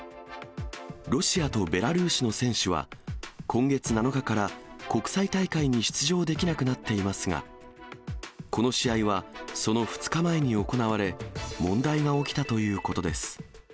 ロシアとベラルーシの選手は今月７日から、国際大会に出場できなくなっていますが、この試合はその２日前に行われ、問題が起きたということです。